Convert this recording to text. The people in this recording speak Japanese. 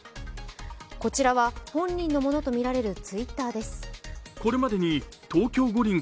こちらは本人のものとみられるＴｗｉｔｔｅｒです。